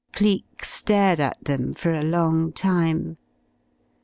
Cleek stared at them for a long time.